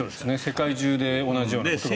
世界中で同じようなことが。